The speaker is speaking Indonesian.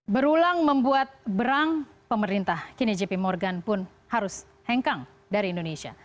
berulang membuat berang pemerintah kini jp morgan pun harus hengkang dari indonesia